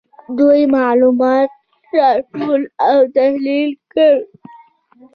دوی معلومات راټول او تحلیل کړل.